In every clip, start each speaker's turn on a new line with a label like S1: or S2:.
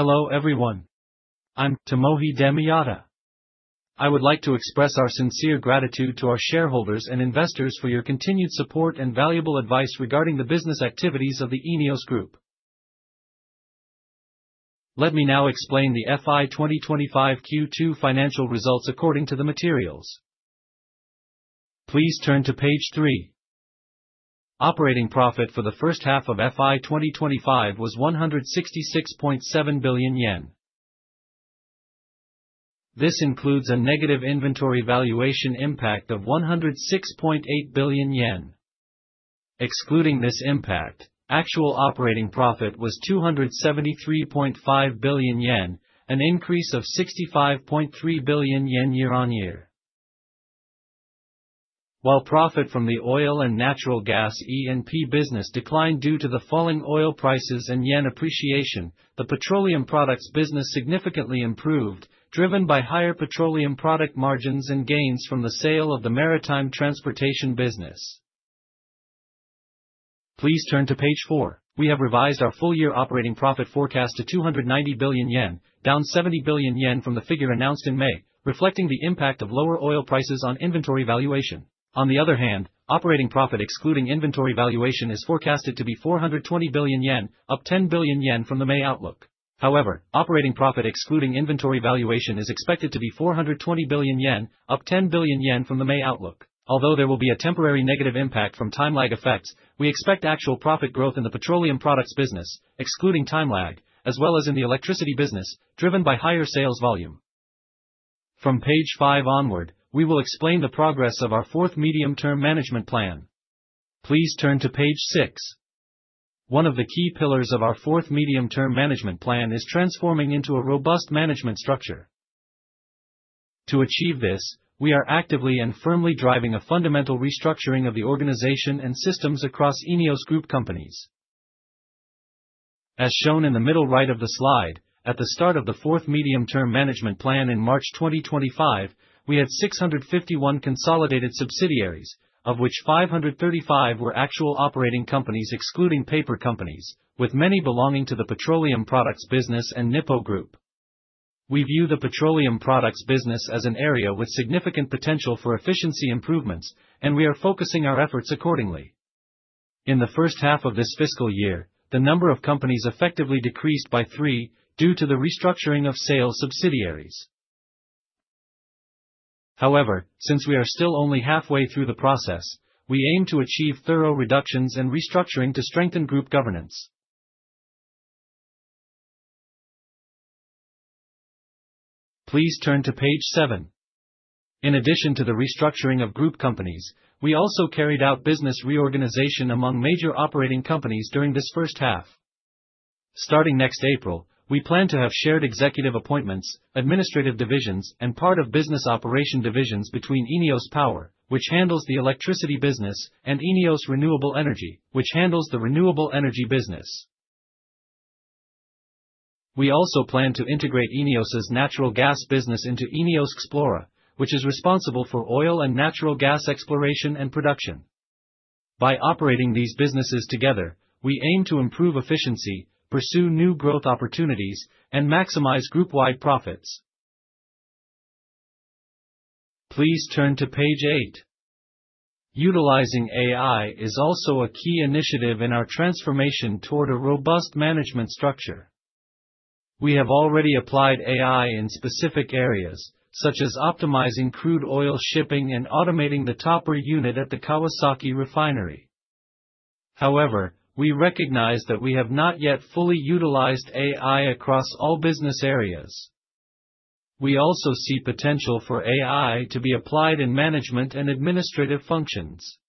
S1: Hello everyone. I'm Tomohi Miyata. I would like to express our sincere gratitude to our shareholders and investors for your continued support and valuable advice regarding the business activities of the ENEOS Group. Let me now explain the FY 2025 Q2 financial results according to the materials. Please turn to page three. Operating profit for the first half of FY 2025 was 166.7 billion yen. This includes a negative inventory valuation impact of 106.8 billion yen. Excluding this impact, actual operating profit was 273.5 billion yen, an increase of 65.3 billion yen year-on-year. While profit from the oil and natural gas E&P business declined due to the falling oil prices and yen appreciation, the petroleum products business significantly improved, driven by higher petroleum product margins and gains from the sale of the maritime transportation business. Please turn to page four. We have revised our full-year operating profit forecast to 290 billion yen, down 70 billion yen from the figure announced in May, reflecting the impact of lower oil prices on inventory valuation. Operating profit excluding inventory valuation is forecasted to be 420 billion yen, up 10 billion yen from the May outlook. Operating profit excluding inventory valuation is expected to be 420 billion yen, up 10 billion yen from the May outlook. Although there will be a temporary negative impact from time lag effects, we expect actual profit growth in the petroleum products business, excluding time lag, as well as in the electricity business, driven by higher sales volume. From page five onward, we will explain the progress of our fourth medium-term management plan. Please turn to page six. One of the key pillars of our fourth medium-term management plan is transforming into a robust management structure. To achieve this, we are actively and firmly driving a fundamental restructuring of the organization and systems across ENEOS Group companies. As shown in the middle right of the slide, at the start of the fourth medium-term management plan in March 2025, we had 651 consolidated subsidiaries, of which 535 were actual operating companies excluding paper companies, with many belonging to the petroleum products business and NIPPO group. We view the petroleum products business as an area with significant potential for efficiency improvements, and we are focusing our efforts accordingly. In the first half of this fiscal year, the number of companies effectively decreased by three due to the restructuring of sales subsidiaries. Since we are still only halfway through the process, we aim to achieve thorough reductions and restructuring to strengthen group governance. Please turn to page seven. In addition to the restructuring of group companies, we also carried out business reorganization among major operating companies during this first half. Starting next April, we plan to have shared executive appointments, administrative divisions, and part of business operation divisions between ENEOS Power, which handles the electricity business, and ENEOS Renewable Energy, which handles the renewable energy business. We also plan to integrate ENEOS's natural gas business into ENEOS Xplora, which is responsible for oil and natural gas exploration and production. By operating these businesses together, we aim to improve efficiency, pursue new growth opportunities, and maximize group-wide profits. Please turn to page eight. Utilizing AI is also a key initiative in our transformation toward a robust management structure. We have already applied AI in specific areas, such as optimizing crude oil shipping and automating the topper unit at the Kawasaki refinery. We recognize that we have not yet fully utilized AI across all business areas. We also see potential for AI to be applied in management and administrative functions.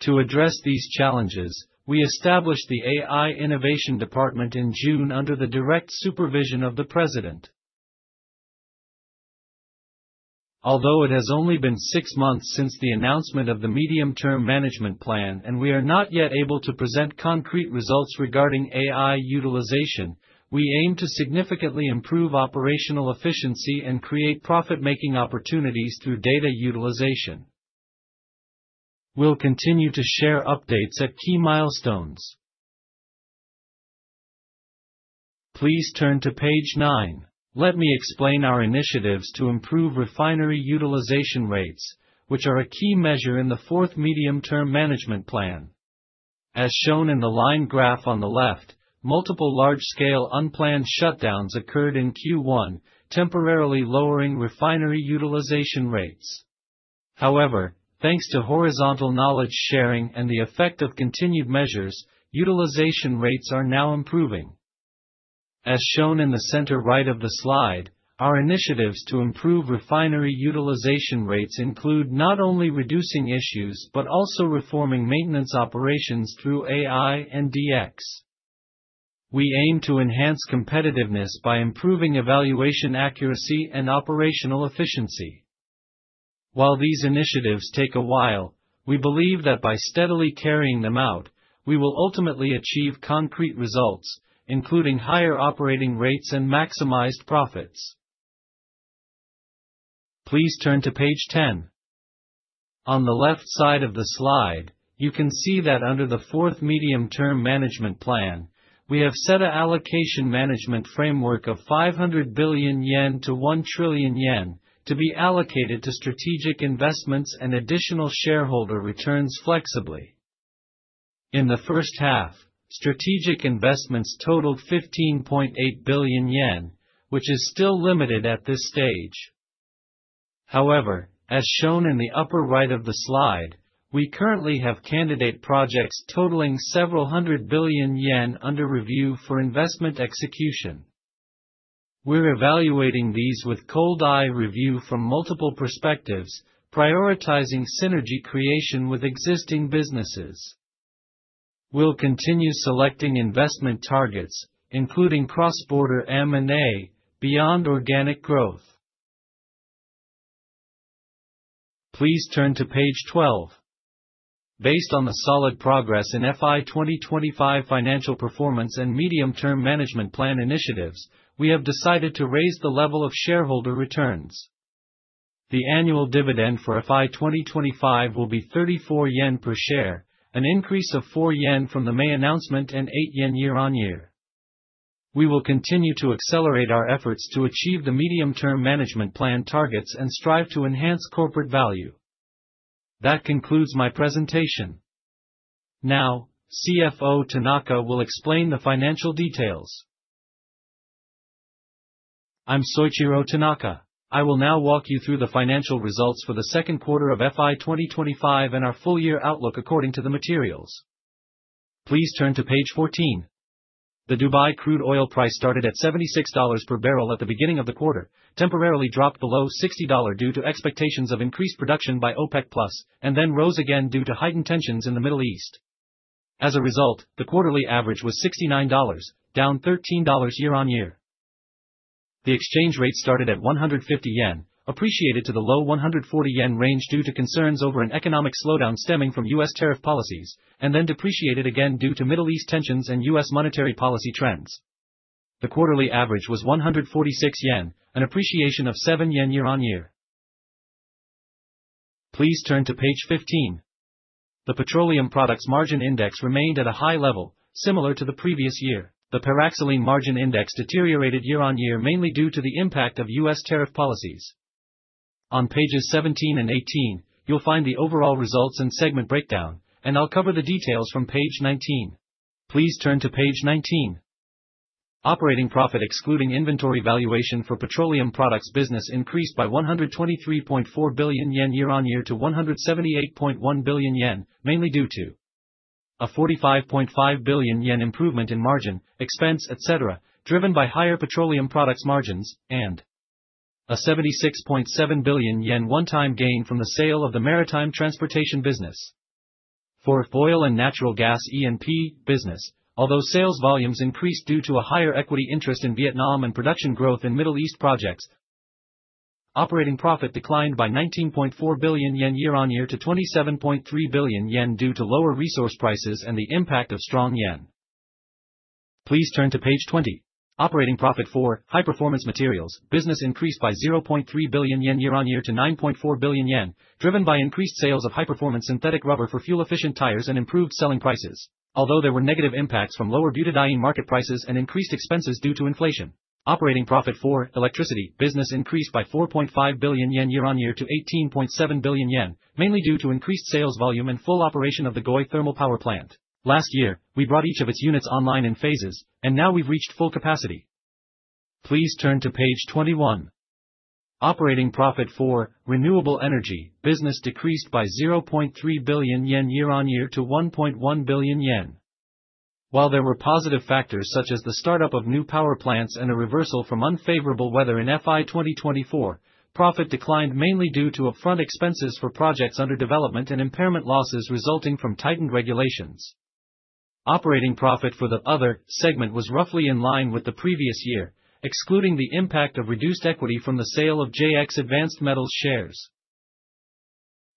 S1: To address these challenges, we established the AI Innovation Department in June under the direct supervision of the president. Although it has only been six months since the announcement of the medium-term management plan and we are not yet able to present concrete results regarding AI utilization, we aim to significantly improve operational efficiency and create profit-making opportunities through data utilization. We'll continue to share updates at key milestones. Please turn to page nine. Let me explain our initiatives to improve refinery utilization rates, which are a key measure in the fourth medium-term management plan. As shown in the line graph on the left, multiple large-scale unplanned shutdowns occurred in Q1, temporarily lowering refinery utilization rates. Thanks to horizontal knowledge sharing and the effect of continued measures, utilization rates are now improving. As shown in the center right of the slide, our initiatives to improve refinery utilization rates include not only reducing issues but also reforming maintenance operations through AI and DX. We aim to enhance competitiveness by improving evaluation accuracy and operational efficiency. While these initiatives take a while, we believe that by steadily carrying them out, we will ultimately achieve concrete results, including higher operating rates and maximized profits. Please turn to page 10. On the left side of the slide, you can see that under the fourth medium-term management plan, we have set an allocation management framework of 500 billion yen to 1 trillion yen to be allocated to strategic investments and additional shareholder returns flexibly. In the first half, strategic investments totaled 15.8 billion yen, which is still limited at this stage. As shown in the upper right of the slide, we currently have candidate projects totaling several hundred billion JPY under review for investment execution. We're evaluating these with cold eye review from multiple perspectives, prioritizing synergy creation with existing businesses. We'll continue selecting investment targets, including cross-border M&A, beyond organic growth. Please turn to page 12. Based on the solid progress in FY 2025 financial performance and medium-term management plan initiatives, we have decided to raise the level of shareholder returns. The annual dividend for FY 2025 will be 34 yen per share, an increase of 4 yen from the May announcement and 8 yen year-on-year. We will continue to accelerate our efforts to achieve the medium-term management plan targets and strive to enhance corporate value. That concludes my presentation. Now, CFO Tanaka will explain the financial details.
S2: I'm Soichiro Tanaka. I will now walk you through the financial results for the second quarter of FY 2025 and our full-year outlook according to the materials. Please turn to page 14. The Dubai crude oil price started at $76 per barrel at the beginning of the quarter, temporarily dropped below $60 due to expectations of increased production by OPEC+, then rose again due to heightened tensions in the Middle East. As a result, the quarterly average was $69, down $13 year-on-year. The exchange rate started at 150 yen, appreciated to the low 140 yen range due to concerns over an economic slowdown stemming from U.S. tariff policies, then depreciated again due to Middle East tensions and U.S. monetary policy trends. The quarterly average was 146 yen, an appreciation of 7 yen year-on-year. Please turn to page 15. The petroleum products margin index remained at a high level, similar to the previous year. The paraxylene margin index deteriorated year-on-year, mainly due to the impact of U.S. tariff policies. On pages 17 and 18, you'll find the overall results and segment breakdown. I'll cover the details from page 19. Please turn to page 19. Operating profit excluding inventory valuation for petroleum products business increased by 123.4 billion yen year-on-year to 178.1 billion yen, mainly due to a 45.5 billion yen improvement in margin, expense, et cetera, driven by higher petroleum products margins and a 76.7 billion yen one-time gain from the sale of the maritime transportation business. For Oil and Natural Gas E&P business, although sales volumes increased due to a higher equity interest in Vietnam and production growth in Middle East projects, operating profit declined by 19.4 billion yen year-on-year to 27.3 billion yen due to lower resource prices and the impact of strong JPY. Please turn to page 20. Operating profit for high-performance materials business increased by 0.3 billion yen year-on-year to 9.4 billion yen, driven by increased sales of high-performance synthetic rubber for fuel-efficient tires and improved selling prices. There were negative impacts from lower butadiene market prices and increased expenses due to inflation. Operating profit for electricity business increased by 4.5 billion yen year-on-year to 18.7 billion yen, mainly due to increased sales volume and full operation of the Goi thermal power plant. Last year, we brought each of its units online in phases, and now we've reached full capacity. Please turn to page 21. Operating profit for renewable energy business decreased by 0.3 billion yen year-on-year to 1.1 billion yen. There were positive factors such as the startup of new power plants and a reversal from unfavorable weather in FY 2024, profit declined mainly due to upfront expenses for projects under development and impairment losses resulting from tightened regulations. Operating profit for the other segment was roughly in line with the previous year, excluding the impact of reduced equity from the sale of JX Advanced Metals shares.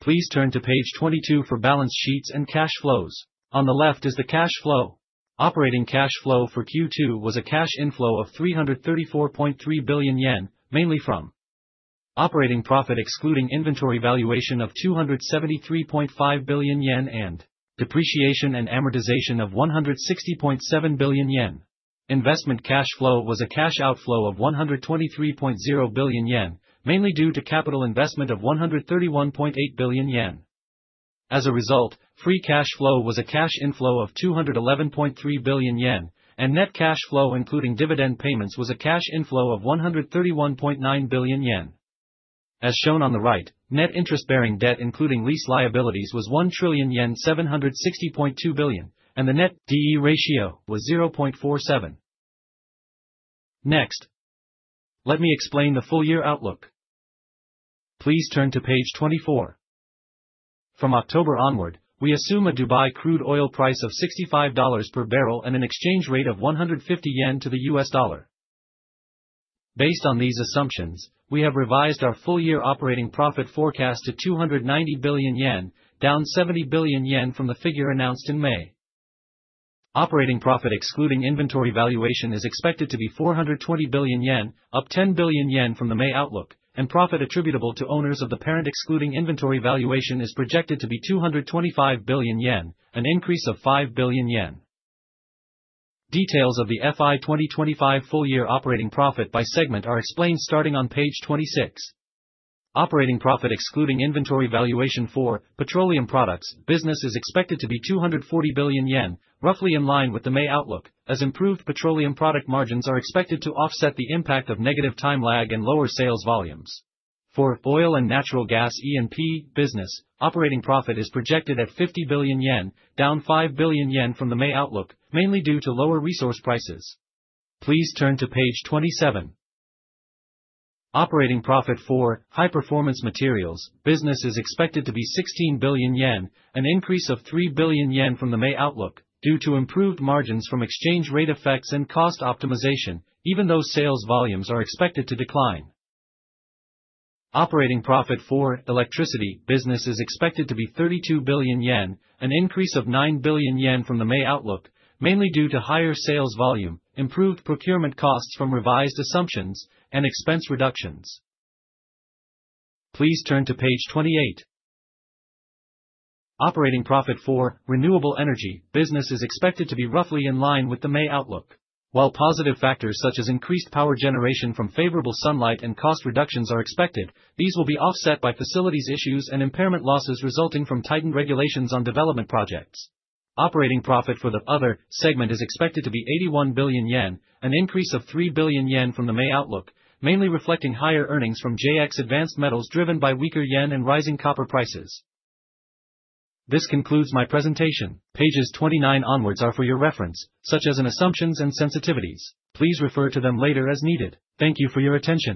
S2: Please turn to page 22 for balance sheets and cash flows. On the left is the cash flow. Operating cash flow for Q2 was a cash inflow of 334.3 billion yen, mainly from operating profit excluding inventory valuation of 273.5 billion yen and depreciation and amortization of 160.7 billion yen. Investment cash flow was a cash outflow of 123.0 billion yen, mainly due to capital investment of 131.8 billion yen. As a result, free cash flow was a cash inflow of 211.3 billion yen, and net cash flow including dividend payments was a cash inflow of 131.9 billion yen. As shown on the right, net interest-bearing debt including lease liabilities was 1,760.2 billion yen, and the net debt-to-equity ratio was 0.47. Let me explain the full-year outlook. Please turn to page 24. From October onward, we assume a Dubai crude oil price of $65 per barrel and an exchange rate of 150 yen to the U.S. dollar. Based on these assumptions, we have revised our full-year operating profit forecast to 290 billion yen, down 70 billion yen from the figure announced in May. Operating profit excluding inventory valuation is expected to be 420 billion yen, up 10 billion yen from the May outlook, and profit attributable to owners of the parent excluding inventory valuation is projected to be 225 billion yen, an increase of 5 billion yen. Details of the FY 2025 full-year operating profit by segment are explained starting on page 26. Operating profit excluding inventory valuation for petroleum products business is expected to be 240 billion yen, roughly in line with the May outlook, as improved petroleum product margins are expected to offset the impact of negative time lag and lower sales volumes. For oil and natural gas E&P business, operating profit is projected at 50 billion yen, down 5 billion yen from the May outlook, mainly due to lower resource prices. Please turn to page 27. Operating profit for high-performance materials business is expected to be 16 billion yen, an increase of 3 billion yen from the May outlook, due to improved margins from exchange rate effects and cost optimization, even though sales volumes are expected to decline. Operating profit for electricity business is expected to be 32 billion yen, an increase of 9 billion yen from the May outlook, mainly due to higher sales volume, improved procurement costs from revised assumptions, and expense reductions. Please turn to page 28. Operating profit for renewable energy business is expected to be roughly in line with the May outlook. While positive factors such as increased power generation from favorable sunlight and cost reductions are expected, these will be offset by facilities issues and impairment losses resulting from tightened regulations on development projects. Operating profit for the other segment is expected to be 81 billion yen, an increase of 3 billion yen from the May outlook, mainly reflecting higher earnings from JX Advanced Metals driven by weaker yen and rising copper prices. This concludes my presentation. Pages 29 onwards are for your reference, such as in assumptions and sensitivities. Please refer to them later as needed. Thank you for your attention.